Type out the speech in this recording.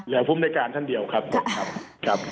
เหลือผู้ในการทั้งเดียวครับ